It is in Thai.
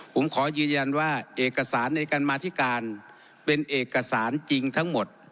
ผมขอยืนยันว่าเอกสารในการมาธิการเป็นเอกสารจริงทั้งหมด